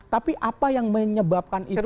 tapi apa yang menyebabkan itu